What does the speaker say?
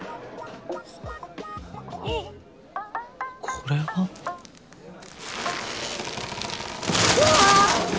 これは？うわ！